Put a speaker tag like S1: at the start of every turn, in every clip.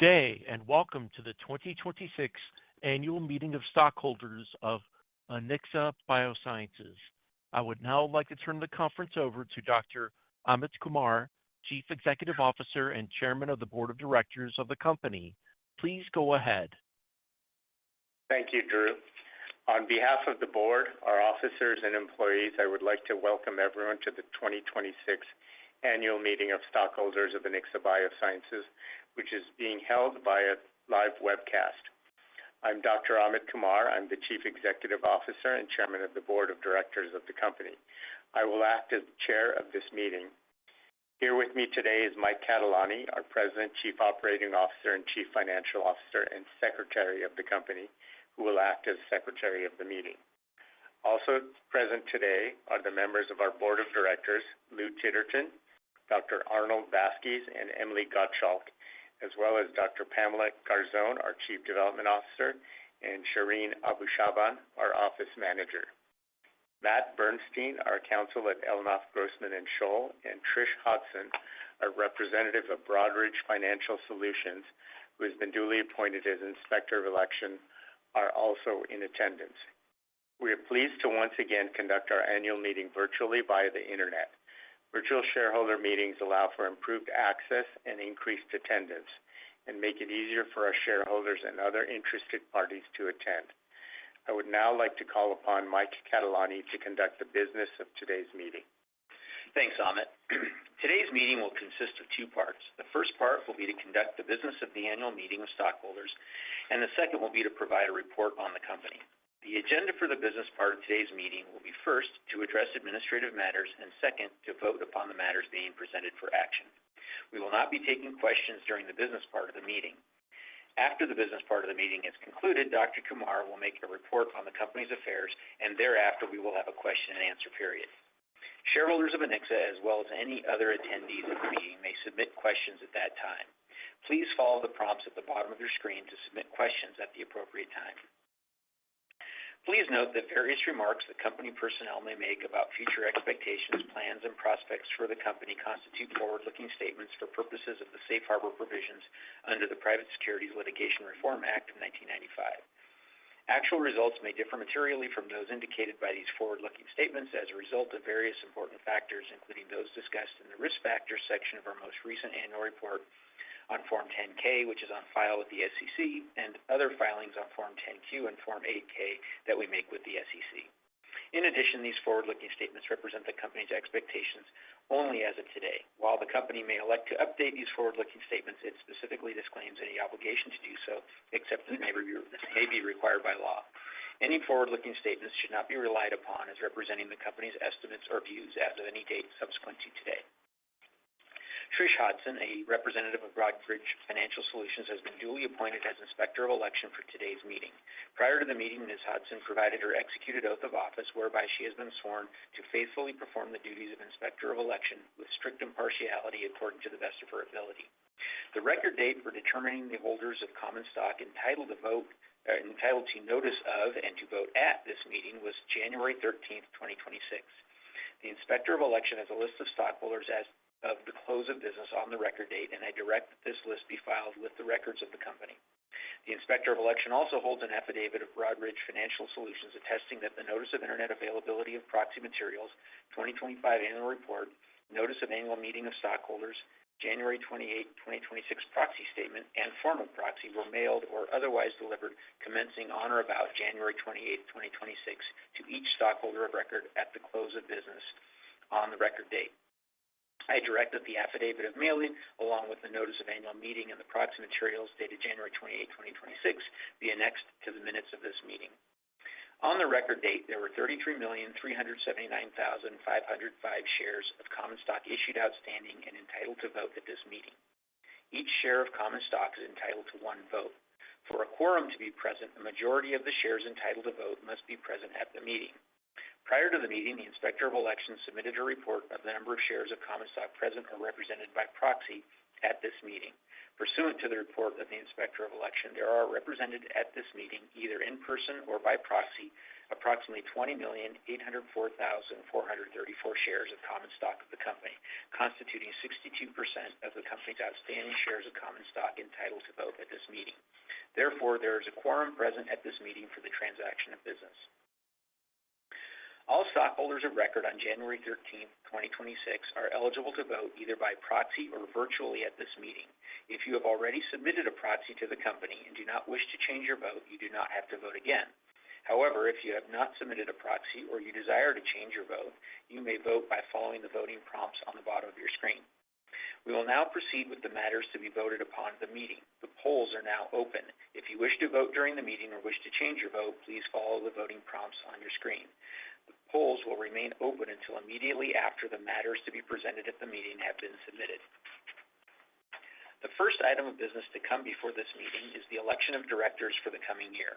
S1: Good day, and welcome to the 2026 Annual Meeting of Stockholders of Anixa Biosciences. I would now like to turn the conference over to Dr. Amit Kumar, Chief Executive Officer and Chairman of the Board of Directors of the company. Please go ahead.
S2: Thank you, Drew. On behalf of the board, our officers, and employees, I would like to welcome everyone to the 2026 Annual Meeting of Stockholders of Anixa Biosciences, which is being held via live webcast. I'm Dr. Amit Kumar. I'm the Chief Executive Officer and Chairman of the Board of Directors of the company. I will act as the chair of this meeting. Here with me today is Mike Catelani, our President, Chief Operating Officer, and Chief Financial Officer, and Secretary of the company, who will act as Secretary of the meeting. Also present today are the members of our Board of Directors, Lew Titterton, Dr. Arnold Baskies, and Emily Gottschalk, as well as Dr. Pamela Garzone, our Chief Development Officer, and Shereen Abushaban, our Office Manager. Matt Bernstein, our counsel at Ellenoff Grossman & Schole LLP, and Trish Hudson, our representative of Broadridge Financial Solutions, who has been duly appointed as Inspector of Election, are also in attendance. We are pleased to once again conduct our annual meeting virtually via the internet. Virtual shareholder meetings allow for improved access and increased attendance and make it easier for our shareholders and other interested parties to attend. I would now like to call upon Mike Catelani to conduct the business of today's meeting.
S3: Thanks, Amit. Today's meeting will consist of two parts. The first part will be to conduct the business of the annual meeting of stockholders, and the second will be to provide a report on the company. The agenda for the business part of today's meeting will be, first, to address administrative matters and, second, to vote upon the matters being presented for action. We will not be taking questions during the business part of the meeting. After the business part of the meeting is concluded, Dr. Kumar will make a report on the company's affairs, and thereafter, we will have a question-and-answer period. Shareholders of Anixa, as well as any other attendees of the meeting, may submit questions at that time. Please follow the prompts at the bottom of your screen to submit questions at the appropriate time. Please note that various remarks that company personnel may make about future expectations, plans, and prospects for the company constitute forward-looking statements for purposes of the safe harbor provisions under the Private Securities Litigation Reform Act of 1995. Actual results may differ materially from those indicated by these forward-looking statements as a result of various important factors, including those discussed in the Risk Factors section of our most recent annual report on Form 10-K, which is on file with the SEC, and other filings on Form 10-Q and Form 8-K that we make with the SEC. In addition, these forward-looking statements represent the company's expectations only as of today. While the company may elect to update these forward-looking statements, it specifically disclaims any obligation to do so, except as may be required by law. Any forward-looking statements should not be relied upon as representing the company's estimates or views as of any date subsequent to today. Trish Hudson, a representative of Broadridge Financial Solutions, has been duly appointed as Inspector of Election for today's meeting. Prior to the meeting, Ms. Hudson provided her executed oath of office, whereby she has been sworn to faithfully perform the duties of Inspector of Election with strict impartiality according to the best of her ability. The record date for determining the holders of common stock entitled to notice of and to vote at this meeting was January 13th, 2026. The Inspector of Election has a list of stockholders as of the close of business on the record date, and I direct that this list be filed with the records of the company. The Inspector of Election also holds an affidavit of Broadridge Financial Solutions attesting that the Notice of Internet Availability of Proxy Materials, 2025 Annual Report, Notice of Annual Meeting of Stockholders, January 28, 2026 proxy statement, and form of proxy were mailed or otherwise delivered commencing on or about January 28, 2026 to each stockholder of record at the close of business on the record date. I direct that the affidavit of mailing, along with the Notice of Annual Meeting and the proxy materials dated January 28, 2026 be annexed to the minutes of this meeting. On the record date, there were 33,379,505 shares of common stock issued, outstanding, and entitled to vote at this meeting. Each share of common stock is entitled to one vote. For a quorum to be present, the majority of the shares entitled to vote must be present at the meeting. Prior to the meeting, the Inspector of Elections submitted a report of the number of shares of common stock present or represented by proxy at this meeting. Pursuant to the report of the Inspector of Election, there are represented at this meeting, either in person or by proxy, approximately 20,804,434 shares of common stock of the company, constituting 62% of the company's outstanding shares of common stock entitled to vote at this meeting. Therefore, there is a quorum present at this meeting for the transaction of business. All stockholders of record on January 13th, 2026 are eligible to vote either by proxy or virtually at this meeting. If you have already submitted a proxy to the company and do not wish to change your vote, you do not have to vote again. However, if you have not submitted a proxy or you desire to change your vote, you may vote by following the voting prompts on the bottom of your screen. We will now proceed with the matters to be voted upon at the meeting. The polls are now open. If you wish to vote during the meeting or wish to change your vote, please follow the voting prompts on your screen. The polls will remain open until immediately after the matters to be presented at the meeting have been submitted. The first item of business to come before this meeting is the election of directors for the coming year.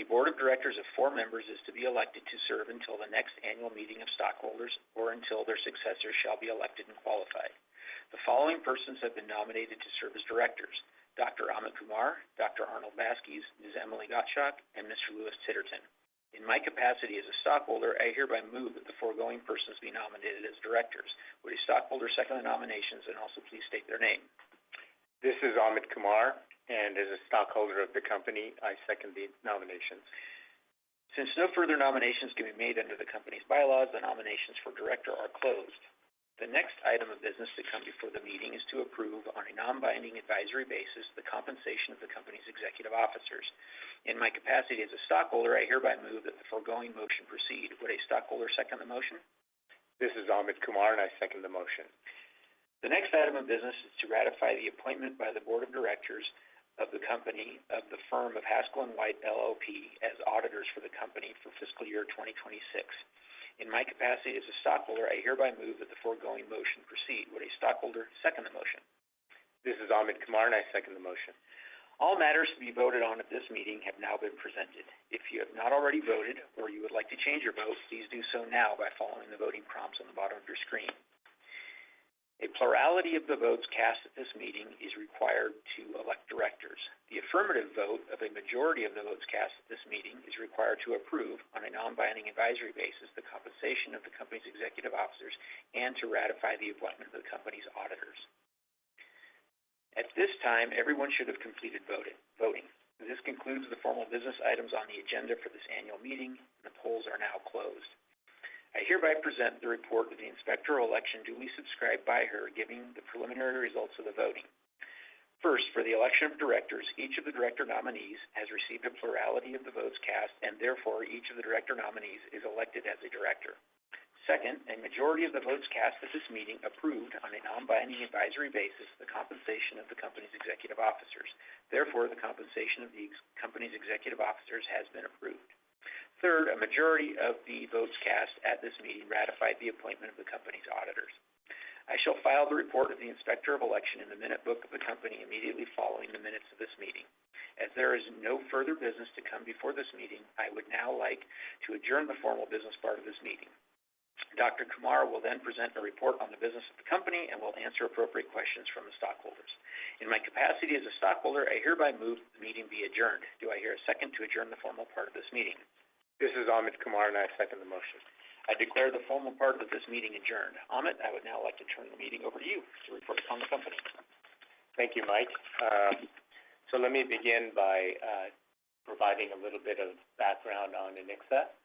S3: A board of directors of four members is to be elected to serve until the next annual meeting of stockholders or until their successors shall be elected and qualified. The following persons have been nominated to serve as directors: Dr. Amit Kumar, Dr. Arnold Baskies, Ms. Emily Gottschalk, and Mr. Lewis Titterton. In my capacity as a stockholder, I hereby move that the foregoing persons be nominated as directors. Would a stockholder second the nominations, and also please state their name.
S2: This is Amit Kumar, and as a stockholder of the company, I second the nominations.
S3: Since no further nominations can be made under the company's bylaws, the nominations for director are closed. The next item of business to come before the meeting is to approve, on a non-binding advisory basis, the compensation of the company's executive officers. In my capacity as a stockholder, I hereby move that the foregoing motion proceed. Would a stockholder second the motion?
S2: This is Amit Kumar, and I second the motion.
S3: The next item of business is to ratify the appointment by the Board of Directors of the company of the firm of Haskell & White LLP as auditors for the company for fiscal year 2026. In my capacity as a stockholder, I hereby move that the foregoing motion proceed. Would a stockholder second the motion?
S2: This is Amit Kumar, and I second the motion.
S3: All matters to be voted on at this meeting have now been presented. If you have not already voted or you would like to change your vote, please do so now by following the voting prompts on the bottom of your screen. A plurality of the votes cast at this meeting is required to elect directors. The affirmative vote of a majority of the votes cast at this meeting is required to approve, on a non-binding advisory basis, the compensation of the company's executive officers and to ratify the appointment of the company's auditors. At this time, everyone should have completed voting. This concludes the formal business items on the agenda for this annual meeting. The polls are now closed. I hereby present the report of the Inspector of Election duly subscribed by her, giving the preliminary results of the voting. First, for the election of directors, each of the director nominees has received a plurality of the votes cast, and therefore, each of the director nominees is elected as a director. Second, a majority of the votes cast at this meeting approved, on a non-binding advisory basis, the compensation of the company's executive officers. Therefore, the compensation of the company's executive officers has been approved. Third, a majority of the votes cast at this meeting ratified the appointment of the company's auditors. I shall file the report of the Inspector of Election in the minute book of the company immediately following the minutes of this meeting. As there is no further business to come before this meeting, I would now like to adjourn the formal business part of this meeting. Dr. Kumar will then present a report on the business of the company and will answer appropriate questions from the stockholders. In my capacity as a stockholder, I hereby move that the meeting be adjourned. Do I hear a second to adjourn the formal part of this meeting?
S2: This is Amit Kumar, and I second the motion.
S3: I declare the formal part of this meeting adjourned. Amit, I would now like to turn the meeting over to you to report on the company.
S2: Thank you, Mike. Let me begin by providing a little bit of background on Anixa.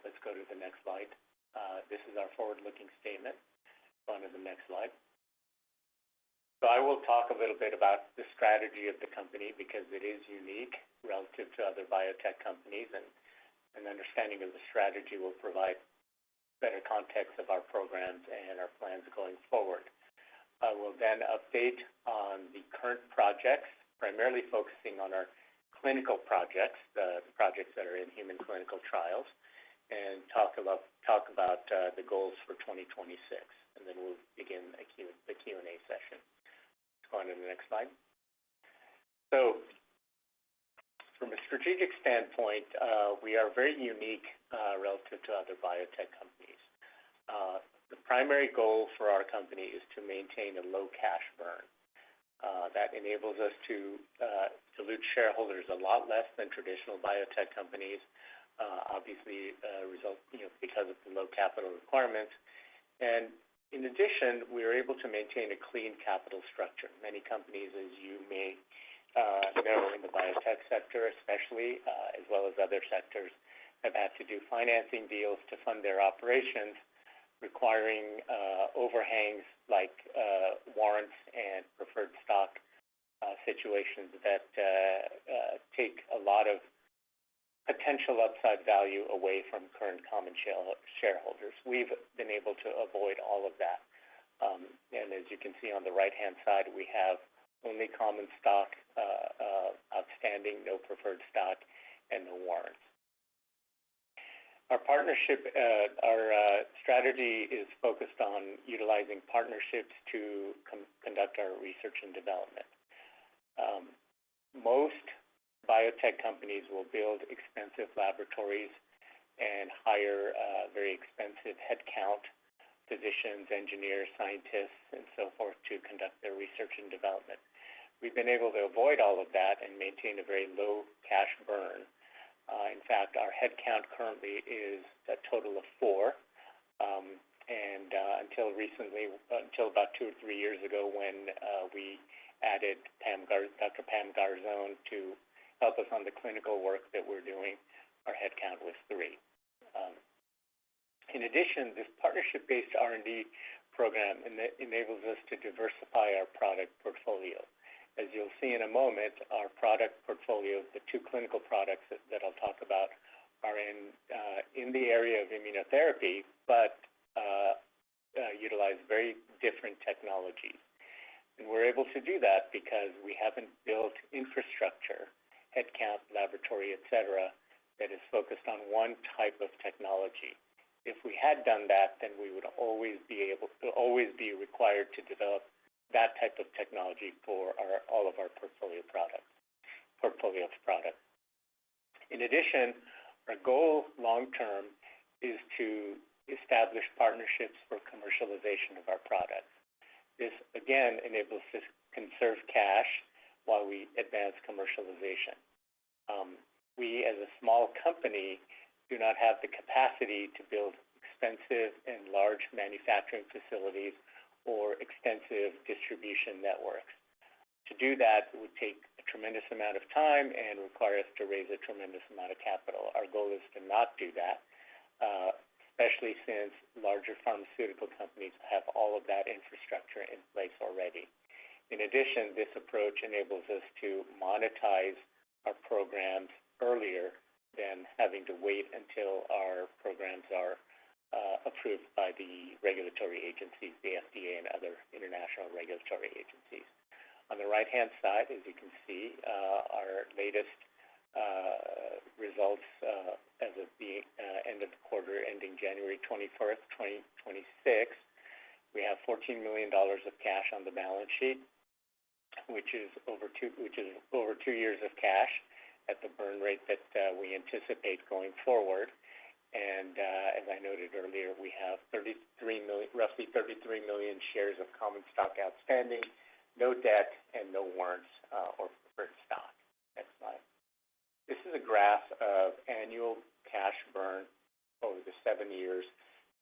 S2: Let's go to the next slide. This is our forward-looking statement. Go on to the next slide. I will talk a little bit about the strategy of the company because it is unique relative to other biotech companies, and an understanding of the strategy will provide better context of our programs and our plans going forward. I will then update on the current projects, primarily focusing on our clinical projects, the projects that are in human clinical trials, and talk about the goals for 2026, and then we'll begin the Q&A session. Let's go on to the next slide. From a strategic standpoint, we are very unique relative to other biotech companies. The primary goal for our company is to maintain a low cash burn that enables us to dilute shareholders a lot less than traditional biotech companies, obviously resulting, you know, because of the low capital requirements. In addition, we are able to maintain a clean capital structure. Many companies, as you may know in the biotech sector especially, as well as other sectors, have had to do financing deals to fund their operations, requiring overhangs like warrants and preferred stock situations that take a lot of potential upside value away from current common shareholders. We've been able to avoid all of that. As you can see on the right-hand side, we have only common stock outstanding, no preferred stock and no warrants. Our strategy is focused on utilizing partnerships to conduct our research and development. Most biotech companies will build expensive laboratories and hire a very expensive headcount, physicians, engineers, scientists and so forth to conduct their research and development. We've been able to avoid all of that and maintain a very low cash burn. In fact, our headcount currently is a total of four. Until about two or three years ago when we added Dr. Pam Garzone to help us on the clinical work that we're doing, our headcount was three. In addition, this partnership-based R&D program enables us to diversify our product portfolio. As you'll see in a moment, our product portfolio, the two clinical products that I'll talk about are in the area of immunotherapy, but utilize very different technologies. We're able to do that because we haven't built infrastructure, headcount, laboratory, et cetera, that is focused on one type of technology. If we had done that, then we would always be required to develop that type of technology for all of our portfolio of products. In addition, our goal long term is to establish partnerships for commercialization of our products. This, again, enables us to conserve cash while we advance commercialization. We, as a small company, do not have the capacity to build expensive and large manufacturing facilities or extensive distribution networks. To do that would take a tremendous amount of time and require us to raise a tremendous amount of capital. Our goal is to not do that, especially since larger pharmaceutical companies have all of that infrastructure in place already. In addition, this approach enables us to monetize our programs earlier than having to wait until our programs are approved by the regulatory agencies, the FDA and other international regulatory agencies. On the right-hand side, as you can see, our latest results as of the end of the quarter ending January 21, 2026. We have $14 million of cash on the balance sheet, which is over two years of cash at the burn rate that we anticipate going forward. As I noted earlier, we have 33 million—roughly 33 million shares of common stock outstanding, no debt, and no warrants, or preferred stock. Next slide. This is a graph of annual cash burn over the seven years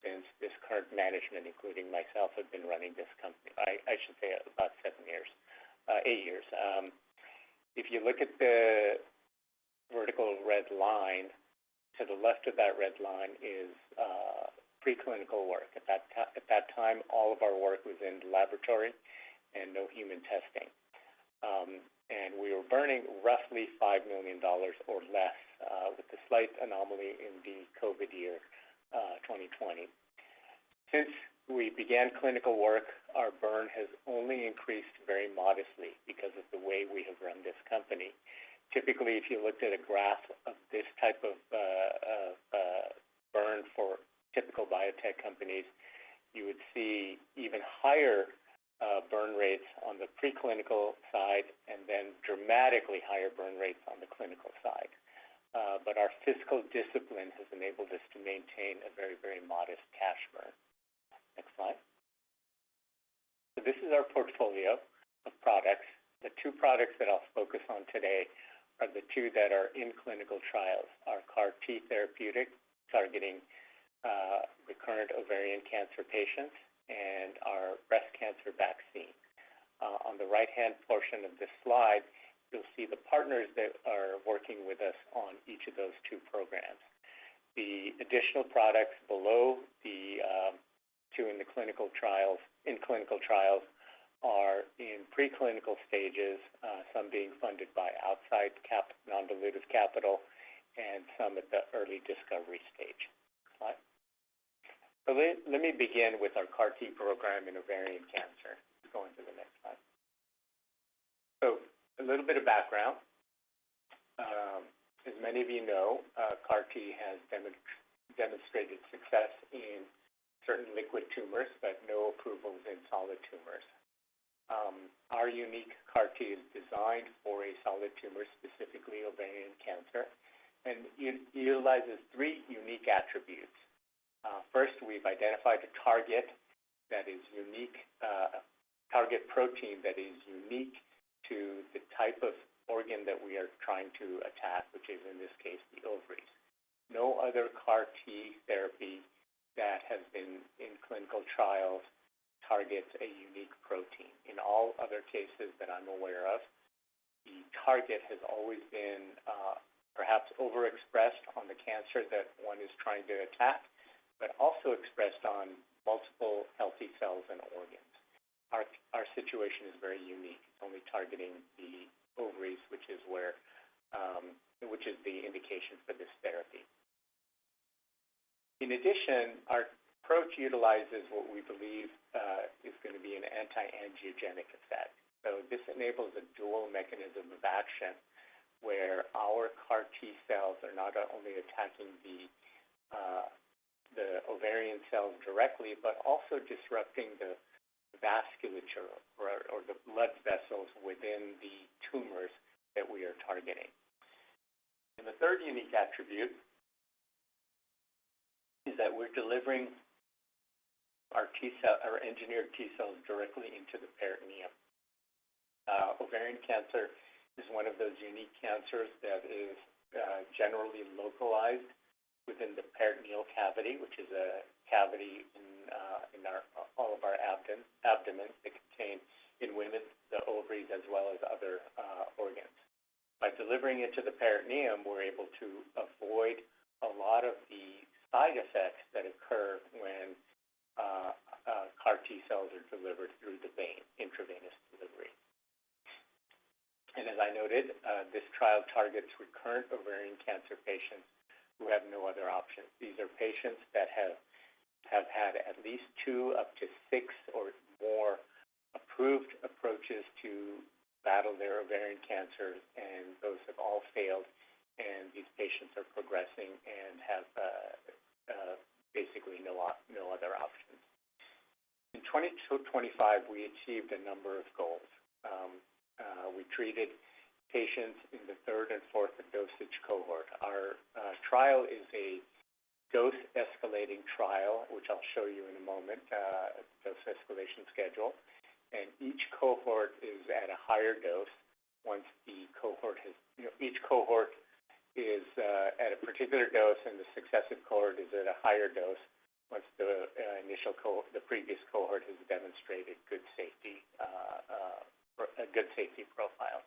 S2: since this current management, including myself, have been running this company. I should say about seven years. Eight years. If you look at the vertical red line, to the left of that red line is preclinical work. At that time, all of our work was in the laboratory and no human testing. We were burning roughly $5 million or less, with a slight anomaly in the COVID year, 2020. Since we began clinical work, our burn has only increased very modestly because of the way we have run this company. Typically, if you looked at a graph of this type of burn for typical biotech companies, you would see even higher burn rates on the preclinical side and then dramatically higher burn rates on the clinical side. Our fiscal discipline has enabled us to maintain a very, very modest cash burn. Next slide. This is our portfolio of products. The two products that I'll focus on today are the two that are in clinical trials, our CAR T therapeutic targeting recurrent ovarian cancer patients and our breast cancer vaccine. On the right-hand portion of this slide, you'll see the partners that are working with us on each of those two programs. The additional products below two in the clinical trials are in preclinical stages, some being funded by outside non-dilutive capital and some at the early discovery stage. Next slide. Let me begin with our CAR T program in ovarian cancer. Go on to the next slide. A little bit of background. As many of you know, CAR T has demonstrated success in certain liquid tumors, but no approvals in solid tumors. Our unique CAR T is designed for a solid tumor, specifically ovarian cancer, and it utilizes three unique attributes. First, we've identified a target that is unique, a target protein that is unique to the type of organ that we are trying to attack, which is, in this case, the ovaries. No other CAR T therapy that has been in clinical trials targets a unique protein. In all other cases that I'm aware of, the target has always been perhaps overexpressed on the cancer that one is trying to attack, but also expressed on multiple healthy cells and organs. Our situation is very unique. It's only targeting the ovaries, which is the indication for this therapy. In addition, our approach utilizes what we believe is gonna be an anti-angiogenic effect. This enables a dual mechanism of action where our CAR T cells are not only attacking the ovarian cells directly but also disrupting the vasculature or the blood vessels within the tumors that we are targeting. The third unique attribute is that we're delivering our engineered T cells directly into the peritoneum. Ovarian cancer is one of those unique cancers that is generally localized within the peritoneal cavity, which is a cavity in all of our abdomen that contain, in women, the ovaries as well as other organs. By delivering it to the peritoneum, we're able to avoid a lot of the side effects that occur when CAR T cells are delivered through the vein, intravenous delivery. As I noted, this trial targets recurrent ovarian cancer patients who have no other options. These are patients that have had at least two up to six or more approved approaches to battle their ovarian cancers, and those have all failed, and these patients are progressing and have basically no other options. In 2020-2025, we achieved a number of goals. We treated patients in the third and fourth dose cohort. Our trial is a dose escalating trial, which I'll show you in a moment, a dose escalation schedule. You know, each cohort is at a particular dose, and the successive cohort is at a higher dose once the previous cohort has demonstrated good safety or a good safety profile.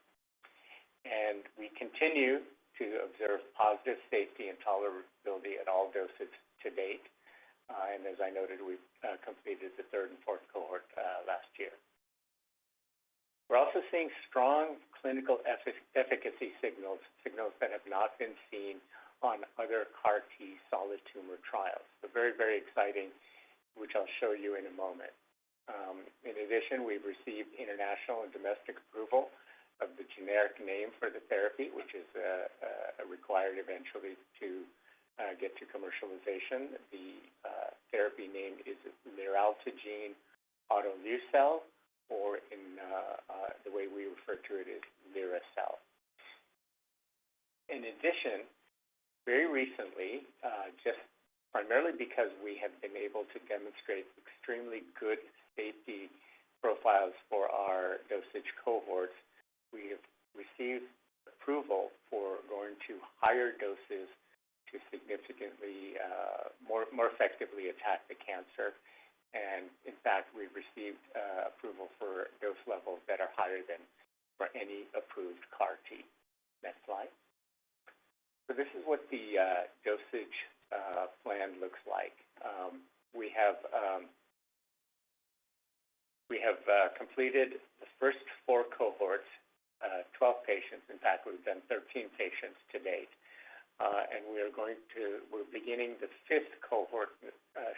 S2: We continue to observe positive safety and tolerability at all doses to date. As I noted, we've completed the third and fourth cohort last year. We're also seeing strong clinical efficacy signals that have not been seen on other CAR T solid tumor trials. Very, very exciting, which I'll show you in a moment. In addition, we've received international and domestic approval of the generic name for the therapy, which is required eventually to get to commercialization. The therapy name is liraltagene autoleucel, or, in the way we refer to it, is lira-cel. In addition, very recently, just primarily because we have been able to demonstrate extremely good safety profiles for our dosage cohorts, we have received approval for going to higher doses to significantly more effectively attack the cancer. In fact, we received approval for dose levels that are higher than for any approved CAR T. Next slide. This is what the dosage plan looks like. We have completed the first four cohorts, 12 patients. In fact, we've done 13 patients to date. We're beginning the fifth cohort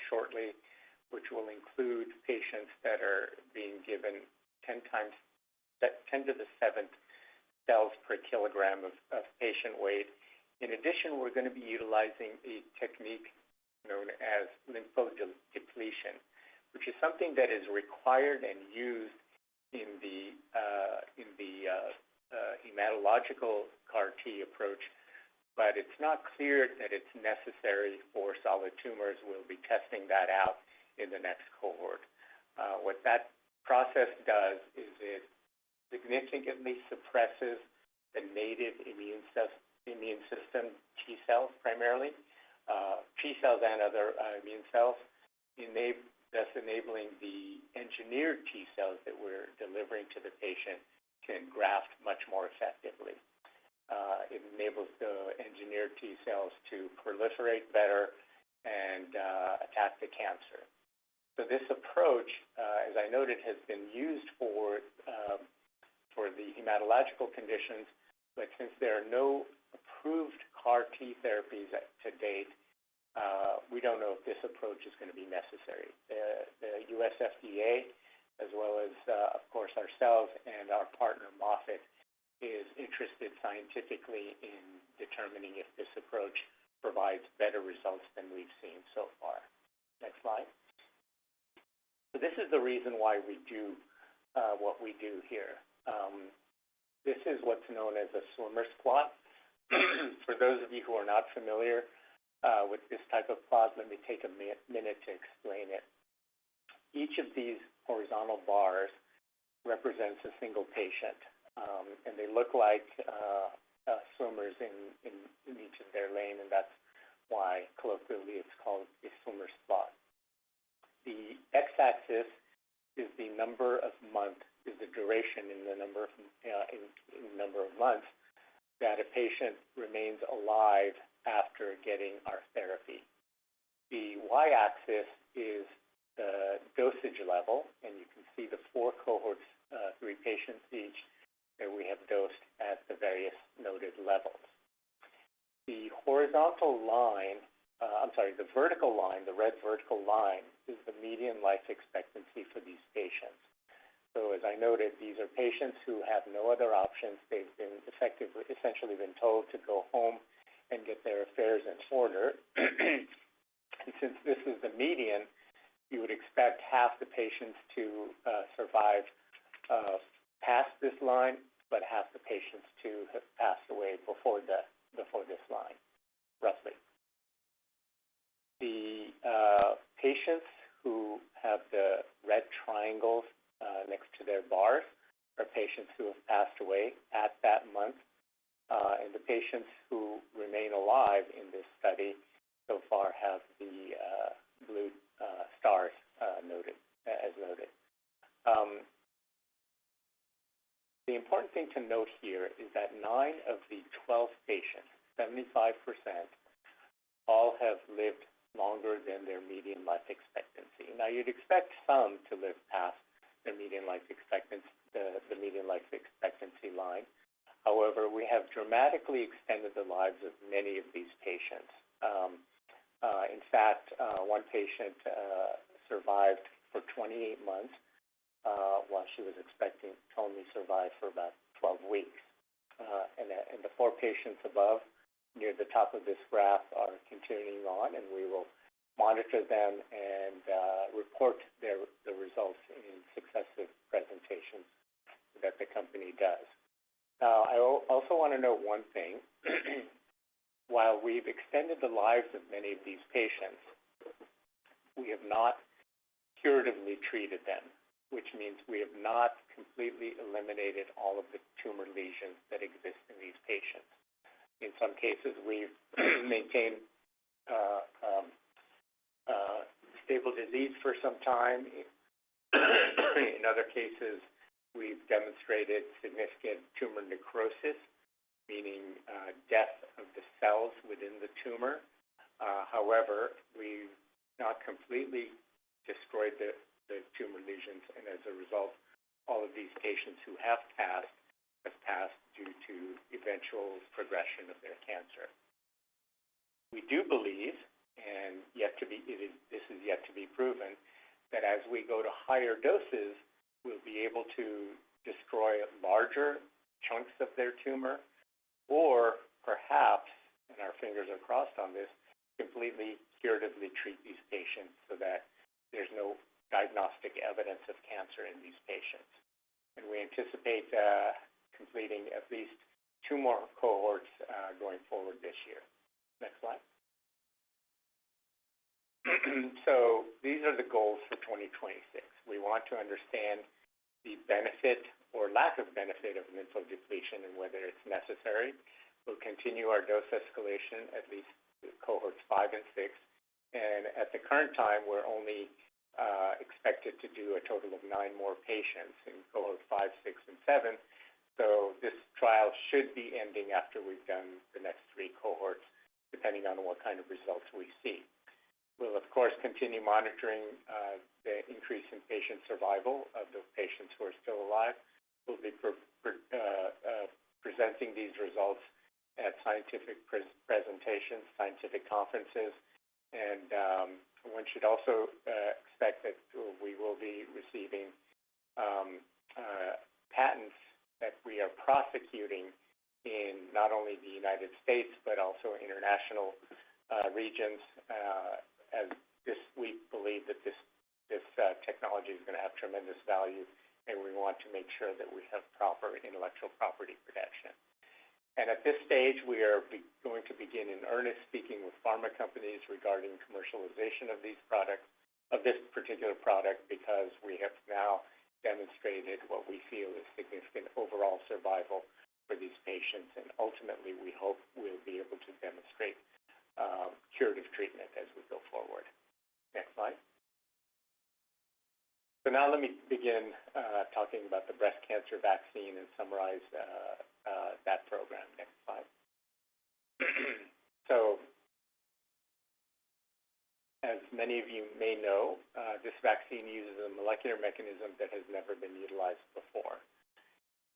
S2: shortly, which will include patients that are being given 10 to the seventh cells per kilogram of patient weight. In addition, we're gonna be utilizing a technique known as lymphodepletion, which is something that is required and used in the hematological CAR T approach, but it's not clear that it's necessary for solid tumors. We'll be testing that out in the next cohort. What that process does is it significantly suppresses the native immune system T cells, primarily, T cells and other immune cells, thus enabling the engineered T cells that we're delivering to the patient to graft much more effectively. It enables the engineered T cells to proliferate better and attack the cancer. This approach, as I noted, has been used for the hematological conditions. Since there are no approved CAR T therapies to date, we don't know if this approach is gonna be necessary. The U.S. FDA as well as, of course, ourselves and our partner, Moffitt, is interested scientifically in determining if this approach provides better results than we've seen so far. Next slide. This is the reason why we do, what we do here. This is what's known as a swimmer's plot. For those of you who are not familiar, with this type of plot, let me take a minute to explain it. Each of these horizontal bars represents a single patient. And they look like, swimmers in each of their lane, and that's why colloquially it's called a swimmer's plot. The x-axis is the duration in the number of months that a patient remains alive after getting our therapy. The y-axis is the dosage level, and you can see the four cohorts, three patients each, that we have dosed at the various noted levels. The vertical line, the red vertical line, is the median life expectancy for these patients. So as I noted, these are patients who have no other options. They've been essentially told to go home and get their affairs in order. Since this is the median, you would expect half the patients to survive past this line, but half the patients to have passed away before this line, roughly. The patients who have the red triangles next to their bars are patients who have passed away at that month. The patients who remain alive in this study so far have the blue stars noted as noted. The important thing to note here is that nine of the 12 patients, 75%, all have lived longer than their median life expectancy. You'd expect some to live past the median life expectancy line. However, we have dramatically extended the lives of many of these patients. In fact, one patient survived for 28 months. She was expected to survive for about 12 weeks. The four patients above near the top of this graph are continuing on, and we will monitor them and report their results in successive presentations that the company does. I also wanna note one thing. While we've extended the lives of many of these patients, we have not curatively treated them, which means we have not completely eliminated all of the tumor lesions that exist in these patients. In some cases, we've maintained stable disease for some time. In other cases, we've demonstrated significant tumor necrosis, meaning death of the cells within the tumor. However, we've not completely destroyed the tumor lesions, and as a result, all of these patients who have passed have passed due to eventual progression of their cancer. We do believe this is yet to be proven that as we go to higher doses, we'll be able to destroy larger chunks of their tumor or perhaps, and our fingers are crossed on this, completely curatively treat these patients so that there's no diagnostic evidence of cancer in these patients. We anticipate completing at least two more cohorts going forward this year. Next slide. These are the goals for 2026. We want to understand the benefit or lack of benefit of lymphodepletion and whether it's necessary. We'll continue our dose escalation, at least through cohorts five and six. At the current time, we're only expected to do a total of nine more patients in cohorts five, six, and seven. This trial should be ending after we've done the next three cohorts, depending on what kind of results we see. We'll, of course, continue monitoring the increase in patient survival of those patients who are still alive. We'll be presenting these results at scientific presentations, scientific conferences, and one should also expect that we will be receiving patents that we are prosecuting in not only the United States but also international regions, as we believe that this technology is gonna have tremendous value, and we want to make sure that we have proper intellectual property protection. At this stage, we are going to begin in earnest speaking with pharma companies regarding commercialization of these products of this particular product because we have now demonstrated what we feel is significant overall survival for these patients, and ultimately, we hope we'll be able to demonstrate curative treatment as we go forward. Next slide. Now let me begin talking about the breast cancer vaccine and summarize that program. Next slide. As many of you may know, this vaccine uses a molecular mechanism that has never been utilized before.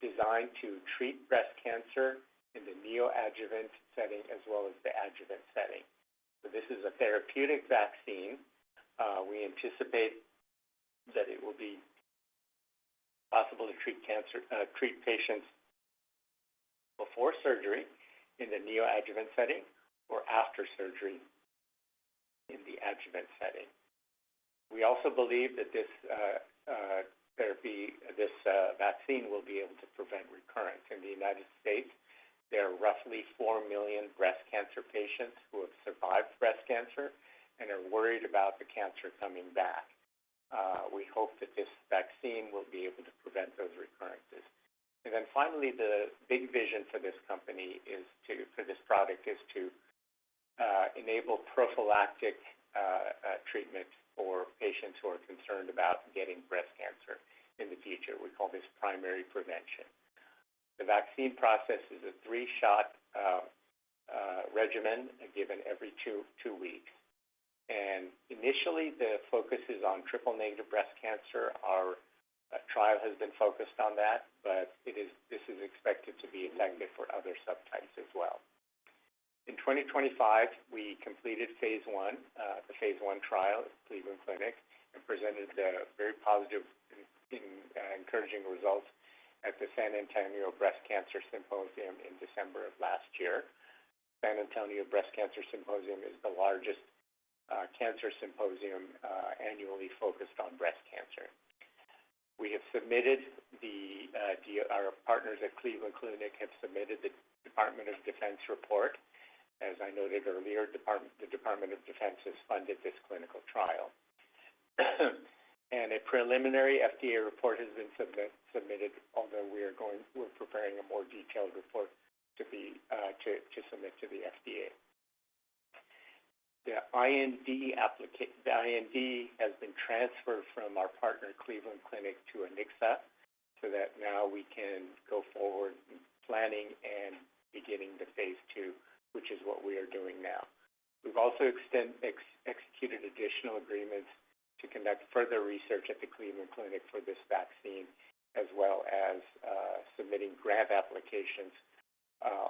S2: Designed to treat breast cancer in the neoadjuvant setting as well as the adjuvant setting. This is a therapeutic vaccine. We anticipate that it will be possible to treat patients before surgery in the neoadjuvant setting or after surgery in the adjuvant setting. We also believe that this vaccine will be able to prevent recurrence. In the United States, there are roughly four million breast cancer patients who have survived breast cancer and are worried about the cancer coming back. We hope that this vaccine will be able to prevent those recurrences. Then finally, the big vision for this company for this product is to enable prophylactic treatment for patients who are concerned about getting breast cancer in the future. We call this primary prevention. The vaccine process is a three-shot regimen given every two weeks. Initially, the focus is on triple-negative breast cancer. Our trial has been focused on that, but this is expected to be effective for other subtypes as well. In 2025, we completed phase I, the phase I trial at Cleveland Clinic and presented very positive and encouraging results at the San Antonio Breast Cancer Symposium in December of last year. San Antonio Breast Cancer Symposium is the largest cancer symposium annually focused on breast cancer. Our partners at Cleveland Clinic have submitted the Department of Defense report. As I noted earlier, the Department of Defense has funded this clinical trial. A preliminary FDA report has been submitted, although we're preparing a more detailed report to submit to the FDA. The IND has been transferred from our partner, Cleveland Clinic, to Anixa, so that now we can go forward in planning and beginning the phase II, which is what we are doing now. We've also executed additional agreements to conduct further research at the Cleveland Clinic for this vaccine, as well as submitting grant applications,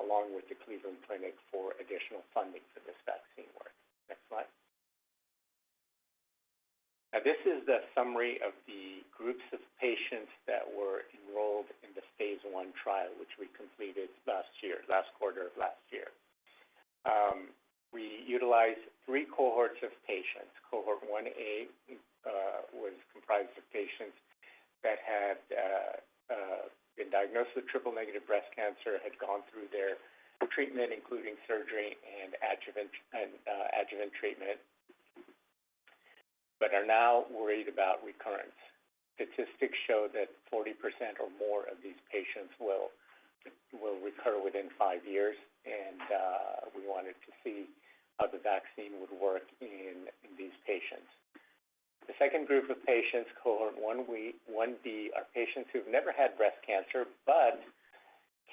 S2: along with the Cleveland Clinic for additional funding for this vaccine work. Now, this is the summary of the groups of patients that were enrolled in the phase I trial, which we completed last year, last quarter of last year. We utilized three cohorts of patients. Cohort 1a was comprised of patients that had been diagnosed with triple-negative breast cancer, had gone through their treatment including surgery and adjuvant treatment, but are now worried about recurrence. Statistics show that 40% or more of these patients will recur within five years. We wanted to see how the vaccine would work in these patients. The second group of patients, cohort 1c, are patients who've never had breast cancer but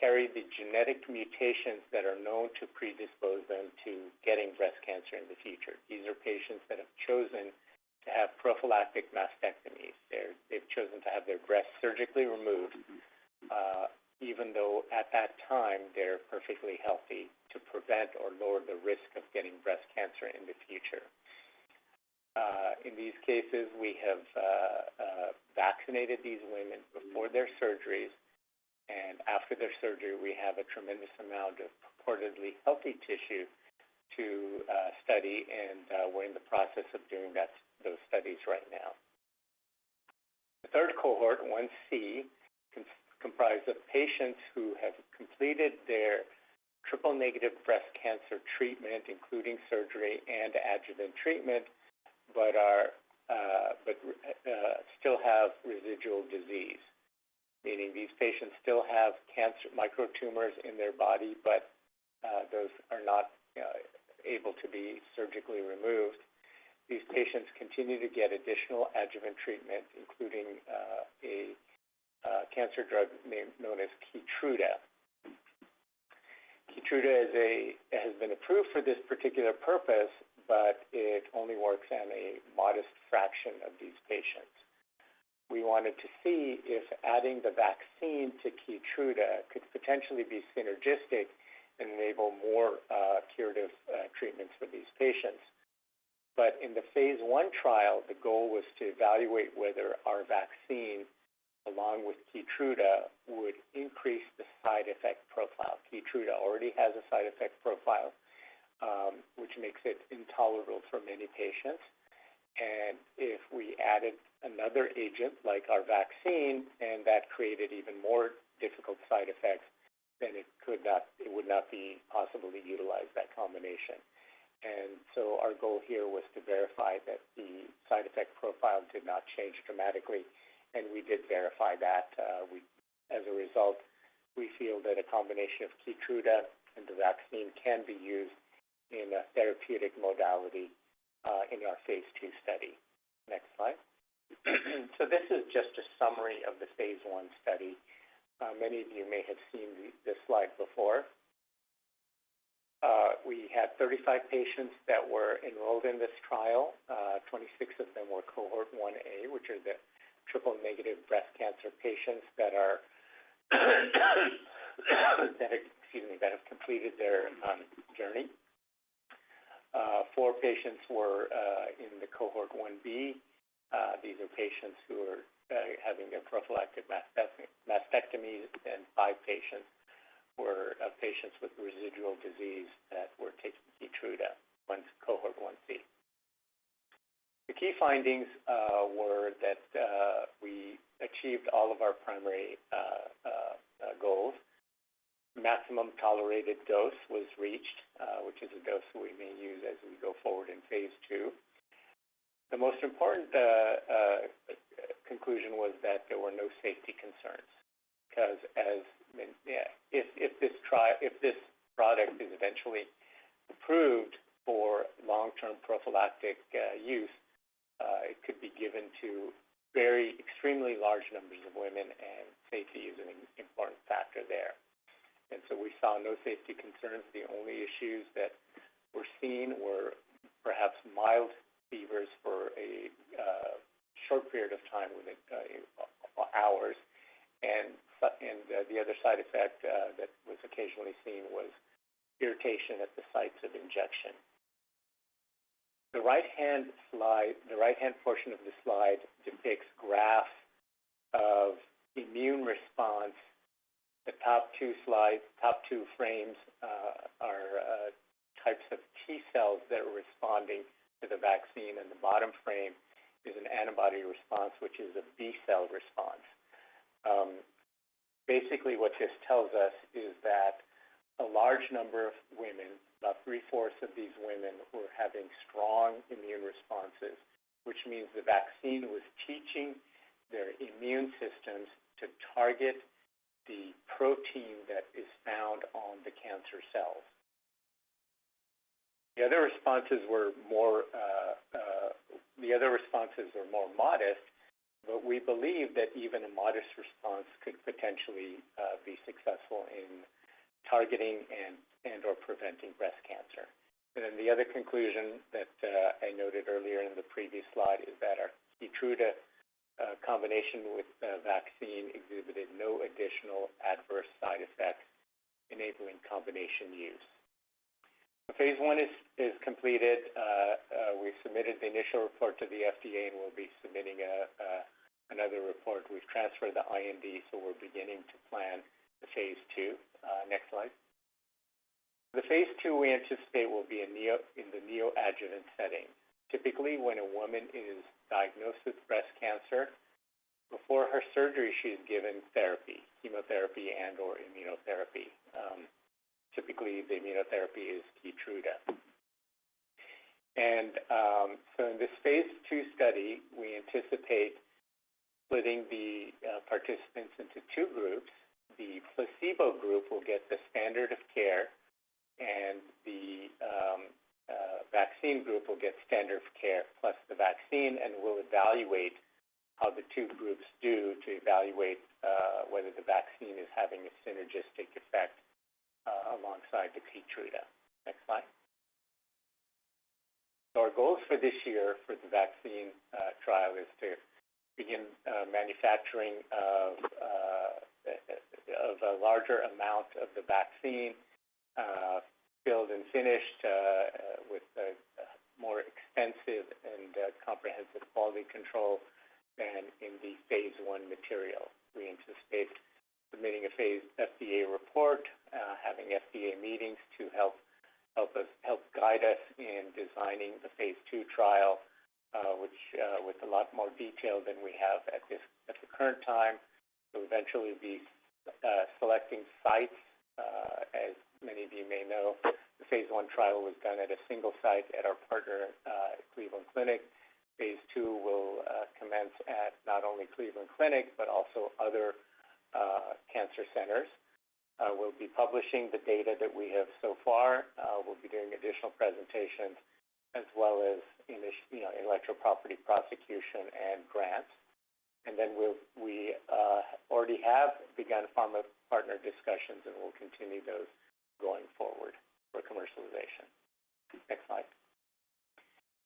S2: carry the genetic mutations that are known to predispose them to getting breast cancer in the future. These are patients that have chosen to have prophylactic mastectomies. They've chosen to have their breast surgically removed, even though at that time they're perfectly healthy to prevent or lower the risk of getting breast cancer in the future. In these cases, we have vaccinated these women before their surgeries. After their surgery, we have a tremendous amount of purportedly healthy tissue to study. We're in the process of doing that, those studies right now. The third cohort, 1C, comprise of patients who have completed their triple-negative breast cancer treatment, including surgery and adjuvant treatment, but still have residual disease. Meaning these patients still have cancer micro tumors in their body, but those are not able to be surgically removed. These patients continue to get additional adjuvant treatment, including a cancer drug name known as KEYTRUDA. KEYTRUDA has been approved for this particular purpose, but it only works in a modest fraction of these patients. We wanted to see if adding the vaccine to KEYTRUDA could potentially be synergistic and enable more curative treatments for these patients. In the phase I trial, the goal was to evaluate whether our vaccine, along with KEYTRUDA, would increase the side effect profile. KEYTRUDA already has a side effect profile which makes it intolerable for many patients. If we added another agent like our vaccine, and that created even more difficult side effects, then it would not be possible to utilize that combination. Our goal here was to verify that the side effect profile did not change dramatically, and we did verify that. As a result, we feel that a combination of Keytruda and the vaccine can be used in a therapeutic modality in our phase II study. Next slide. This is just a summary of the phase I study. Many of you may have seen this slide before. We had 35 patients that were enrolled in this trial. Twenty-six of them were cohort 1a, which are the triple-negative breast cancer patients that have completed their journey. Four patients were in the cohort 1b. These are patients who are having a prophylactic mastectomy, and five patients were patients with residual disease that were taking KEYTRUDA, cohort 1c. The key findings were that we achieved all of our primary goals. Maximum tolerated dose was reached, which is a dose we may use as we go forward in phase II. The most important conclusion was that there were no safety concerns because if this product is eventually approved for long-term prophylactic use, it could be given to very extremely large numbers of women, and safety is an important factor there. We saw no safety concerns. The only issues that were seen were perhaps mild fevers for a short period of time within hours. The other side effect that was occasionally seen was irritation at the sites of injection. The right-hand portion of the slide depicts graphs of immune response. The top two frames are types of T cells that are responding to the vaccine. The bottom frame is an antibody response, which is a B cell response. Basically what this tells us is that a large number of women, about three-fourths of these women, were having strong immune responses, which means the vaccine was teaching their immune systems to target the protein that is found on the cancer cells. The other responses were more. The other responses were more modest, but we believe that even a modest response could potentially be successful in targeting and/or preventing breast cancer. The other conclusion that I noted earlier in the previous slide is that our KEYTRUDA combination with the vaccine exhibited no additional adverse side effects. Enabling combination use. Phase I is completed. We've submitted the initial report to the FDA, and we'll be submitting another report. We've transferred the IND, so we're beginning to plan the phase II. Next slide. The phase II we anticipate will be in the neoadjuvant setting. Typically, when a woman is diagnosed with breast cancer, before her surgery, she's given therapy, chemotherapy and/or immunotherapy. Typically, the immunotherapy is KEYTRUDA. In this phase II study, we anticipate splitting the participants into two groups. The placebo group will get the standard of care, and the vaccine group will get standard of care plus the vaccine, and we'll evaluate how the two groups do to evaluate whether the vaccine is having a synergistic effect alongside the KEYTRUDA. Next slide. Our goals for this year for the vaccine trial is to begin manufacturing of a larger amount of the vaccine, filled and finished, with a more extensive and comprehensive quality control than in the phase I material. We anticipate submitting a phase FDA report, having FDA meetings to help guide us in designing the phase II trial, which with a lot more detail than we have at the current time. We'll eventually be selecting sites. As many of you may know, the phase I trial was done at a single site at our partner at Cleveland Clinic. Phase II will commence at not only Cleveland Clinic, but also other cancer centers. We'll be publishing the data that we have so far. We'll be doing additional presentations as well as you know, intellectual property prosecution and grants. We already have begun pharma partner discussions, and we'll continue those going forward for commercialization. Next slide.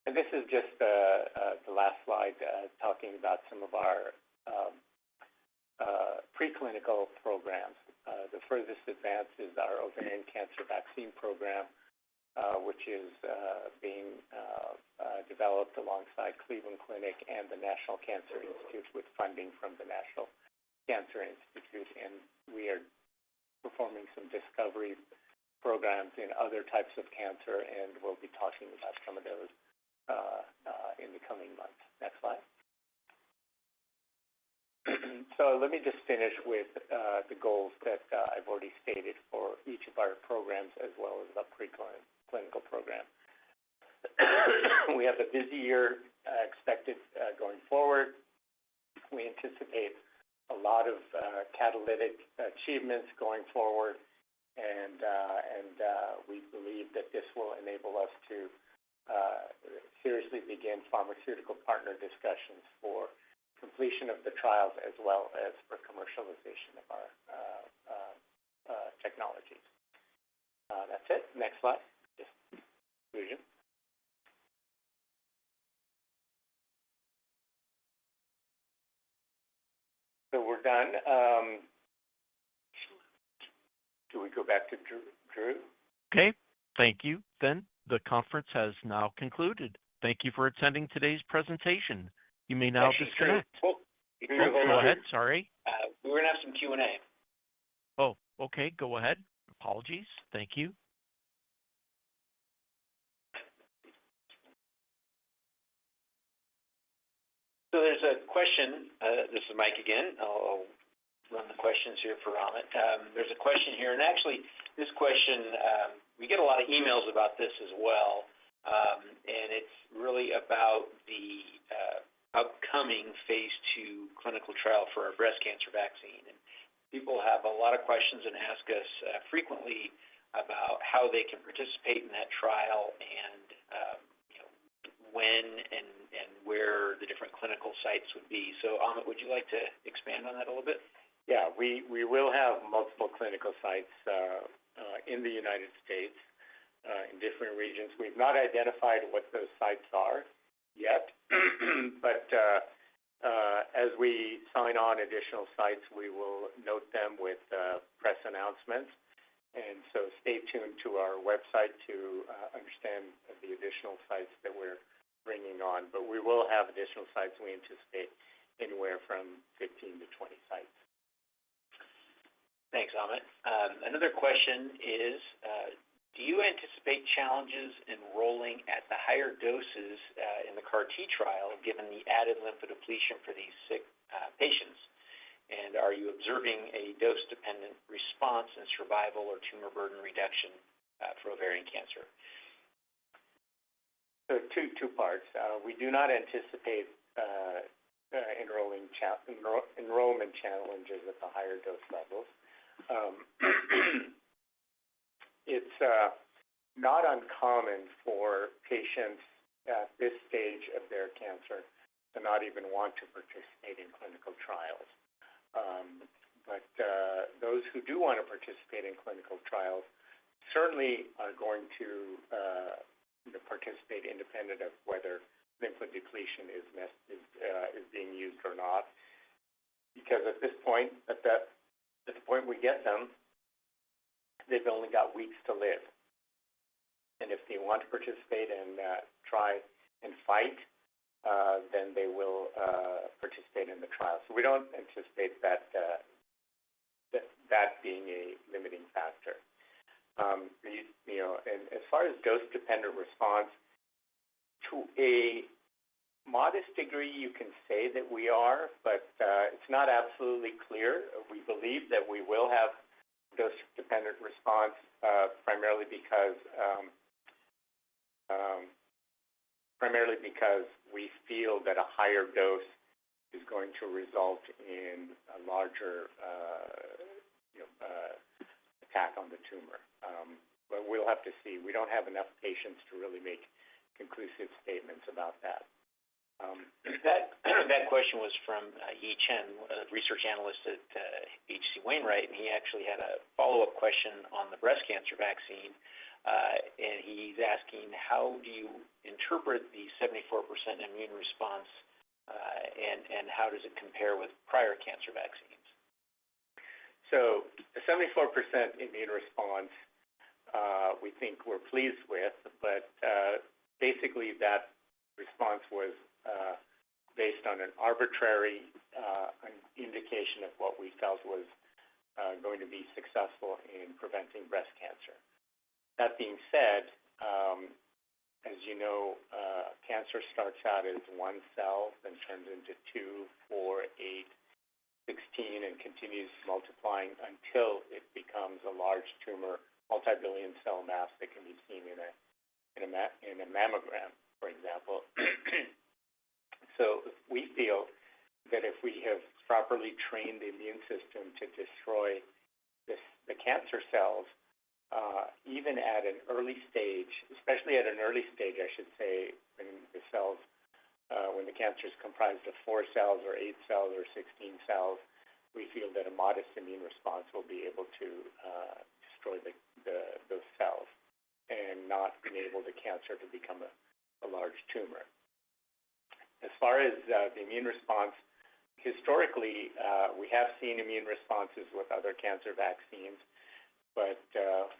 S2: This is just the last slide talking about some of our preclinical programs. The furthest advanced is our ovarian cancer vaccine program, which is being developed alongside Cleveland Clinic and the National Cancer Institute with funding from the National Cancer Institute. We are performing some discovery programs in other types of cancer, and we'll be talking about some of those in the coming months. Next slide. Let me just finish with the goals that I've already stated for each of our programs as well as the preclinical program. We have a busy year expected going forward. We anticipate a lot of catalytic achievements going forward. We believe that this will enable us to seriously begin pharmaceutical partner discussions for completion of the trials as well as for commercialization of our technologies. That's it. Next slide. Just conclusion. We're done. Do we go back to Drew? Drew?
S1: Okay. Thank you. The conference has now concluded. Thank you for attending today's presentation. You may now disconnect.
S3: Actually, Drew. Oh. Go ahead. Sorry. We're gonna have some Q&A.
S1: Oh, okay. Go ahead. Apologies. Thank you.
S3: There's a question. This is Mike again. I'll run the questions here for Amit. There's a question here, and actually, this question, we get a lot of emails about this as well. And it's really about the upcoming phase II clinical trial for our breast cancer vaccine. People have a lot of questions and ask us frequently about how they can participate in that trial and, you know, when and where the different clinical sites would be. Amit, would you like to expand on that a little bit?
S2: Yeah. We will have multiple clinical sites in the United States in different regions. We've not identified what those sites are yet. As we sign on additional sites, we will note them with press announcements. Stay tuned to our website to understand the additional sites that we're bringing on. We will have additional sites. We anticipate anywhere from 15-20 sites.
S3: Thanks, Amit. Another question is, do you anticipate challenges enrolling at the higher doses in the CAR T trial given the added lymphodepletion for these sick patients? Are you observing a dose-dependent response in survival or tumor burden reduction for ovarian cancer?
S2: Two parts. We do not anticipate enrollment challenges at the higher dose levels. It's not uncommon for patients at this stage of their cancer to not even want to participate in clinical trials. Those who do wanna participate in clinical trials certainly are going to participate independent of whether lymphodepletion is being used or not. Because at this point, at the point we get them, they've only got weeks to live. If they want to participate and try and fight, then they will participate in the trial. We don't anticipate that being a limiting factor. You know, as far as dose-dependent response, to a modest degree you can say that we are, but it's not absolutely clear. We believe that we will have dose-dependent response, primarily because we feel that a higher dose is going to result in a larger, you know, attack on the tumor. We'll have to see. We don't have enough patients to really make conclusive statements about that.
S3: That question was from Yi Chen, a research analyst at H.C. Wainwright, and he actually had a follow-up question on the breast cancer vaccine. He's asking: How do you interpret the 74% immune response, and how does it compare with prior cancer vaccines?
S2: The 74% immune response, we think we're pleased with, but basically that response was based on an arbitrary, an indication of what we felt was going to be successful in preventing breast cancer. That being said, as you know, cancer starts out as one cell, then turns into two, four, eight, 16, and continues multiplying until it becomes a large tumor, multibillion cell mass that can be seen in a mammogram, for example. We feel that if we have properly trained the immune system to destroy this, the cancer cells, even at an early stage, especially at an early stage I should say, when the cancer is comprised of four cells or eight cells or 16 cells, we feel that a modest immune response will be able to destroy those cells and not enable the cancer to become a large tumor. As far as the immune response, historically, we have seen immune responses with other cancer vaccines, but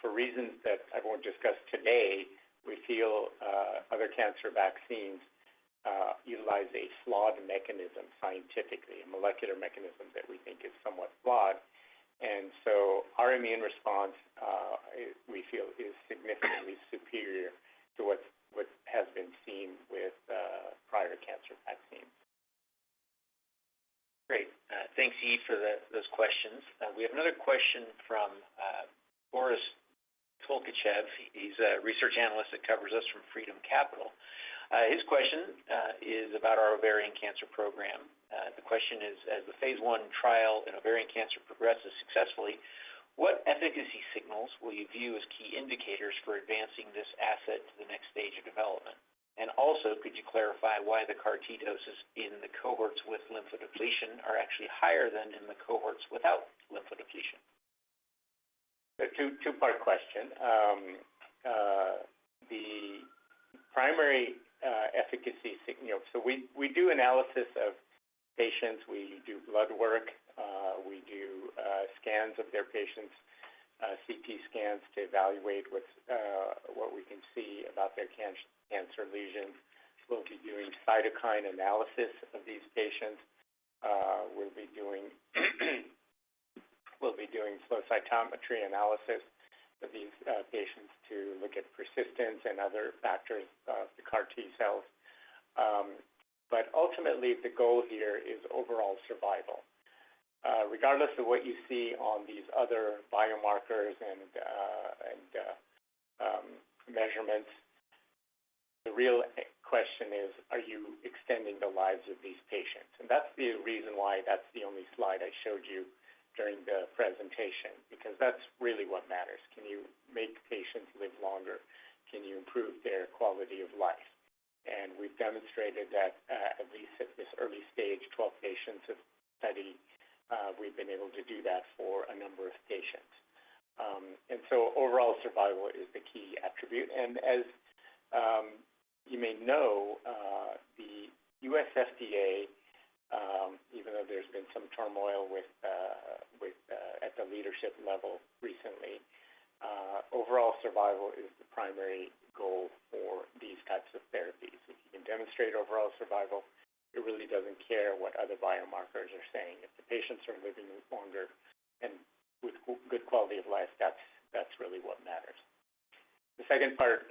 S2: for reasons that I won't discuss today, we feel other cancer vaccines utilize a flawed mechanism scientifically, a molecular mechanism that we think is somewhat flawed. Our immune response, we feel is significantly superior to what has been seen with prior cancer vaccines.
S3: Great. Thanks, Yi, for those questions. We have another question from Boris Tolkachiev. He's a research analyst that covers us from Freedom Capital. His question is about our ovarian cancer program. The question is: as the phase one trial in ovarian cancer progresses successfully, what efficacy signals will you view as key indicators for advancing this asset to the next stage of development? And also, could you clarify why the CAR T doses in the cohorts with lymphodepletion are actually higher than in the cohorts without lymphodepletion?
S2: A two-part question. You know, so we do analysis of patients. We do blood work. We do scans of their patients, CT scans to evaluate what we can see about their cancer lesions. We'll be doing cytokine analysis of these patients. We'll be doing flow cytometry analysis of these patients to look at persistence and other factors of the CAR T cells. Ultimately the goal here is overall survival. Regardless of what you see on these other biomarkers and measurements, the real question is, are you extending the lives of these patients? That's the reason why that's the only slide I showed you during the presentation, because that's really what matters. Can you make patients live longer? Can you improve their quality of life? We've demonstrated that, at least at this early-stage 12-patients in study, we've been able to do that for a number of patients. Overall survival is the key attribute. As you may know, the U.S. FDA, even though there's been some turmoil with the leadership level recently, overall survival is the primary goal for these types of therapies. If you can demonstrate overall survival, it really doesn't care what other biomarkers are saying. If the patients are living longer and with good quality of life, that's really what matters. The second part,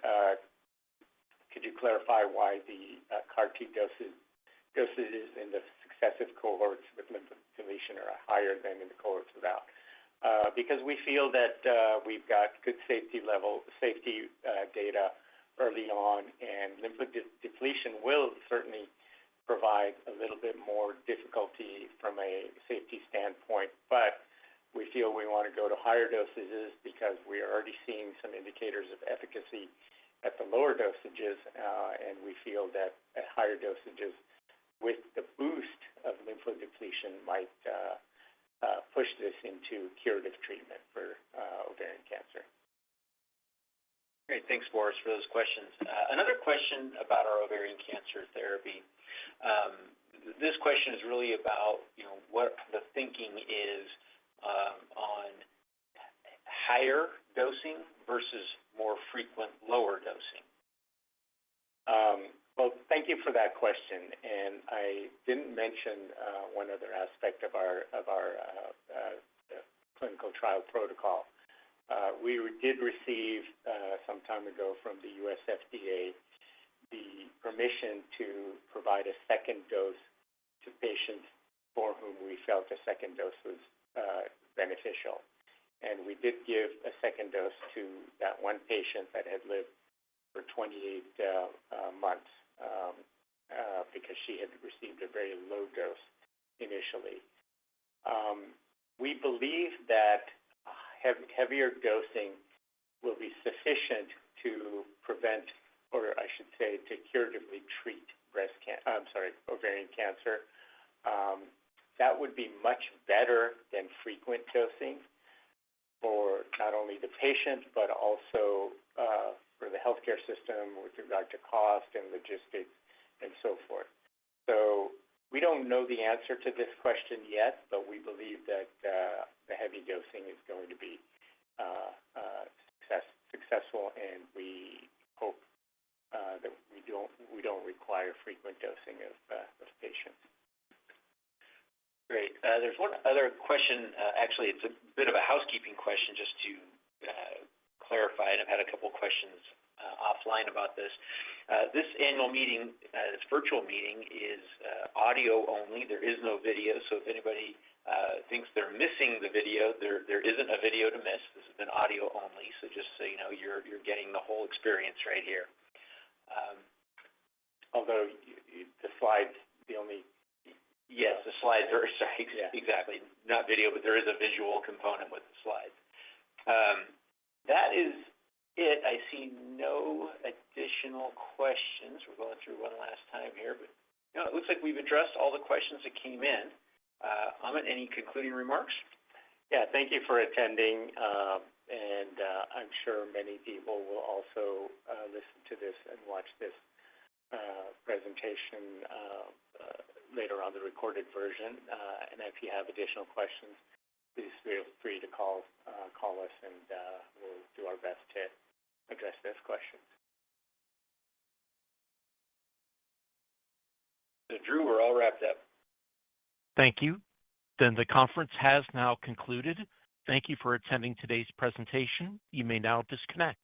S2: could you clarify why the CAR T doses, dosages in the successive cohorts with lymphodepletion are higher than in the cohorts without? Because we feel that we've got good safety data early on, and lymphodepletion will certainly provide a little bit more difficulty from a safety standpoint. We feel we wanna go to higher dosages because we're already seeing some indicators of efficacy at the lower dosages, and we feel that at higher dosages with the boost of lymphodepletion might push this into curative treatment for ovarian cancer.
S3: Great. Thanks, Boris, for those questions. Another question about our ovarian cancer therapy. This question is really about, you know, what the thinking is, on higher dosing versus more frequent lower dosing.
S2: Well, thank you for that question. I didn't mention one other aspect of our clinical trial protocol. We did receive some time ago from the U.S. FDA the permission to provide a second dose to patients for whom we felt a second dose was beneficial. We did give a second dose to that one patient that had lived for 28 months because she had received a very low dose initially. We believe that heavier dosing will be sufficient to prevent, or I should say, to curatively treat ovarian cancer. That would be much better than frequent dosing for not only the patient, but also for the healthcare system with regard to cost and logistics and so forth. We don't know the answer to this question yet, but we believe that the heavy dosing is going to be successful, and we hope that we don't require frequent dosing of patients.
S3: Great. There's one other question. Actually, it's a bit of a housekeeping question just to clarify, and I've had a couple questions offline about this. This annual meeting, this virtual meeting is audio only. There is no video. So if anybody thinks they're missing the video, there isn't a video to miss. This has been audio only. So just so you know, you're getting the whole experience right here.
S2: Although the slides, the only.
S3: Yes, the slides are.
S2: Yeah.
S3: Exactly. Not video, but there is a visual component with the slides. That is it. I see no additional questions. We're going through one last time here, but no, it looks like we've addressed all the questions that came in. Amit, any concluding remarks?
S2: Yeah. Thank you for attending. I'm sure many people will also listen to this and watch this presentation later on the recorded version. If you have additional questions, please feel free to call us and we'll do our best to address those questions. Drew, we're all wrapped up.
S1: Thank you. The conference has now concluded. Thank you for attending today's presentation. You may now disconnect.